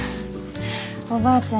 おばあちゃん